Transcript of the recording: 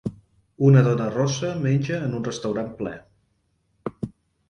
Una dona rossa menja en un restaurant ple